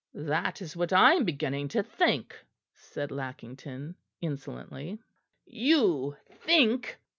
"That is what I am beginning to think," said Lackington insolently. "You think!"